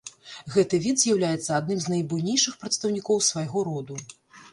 Гэты від з'яўляецца адным з найбуйнейшых прадстаўнікоў свайго роду.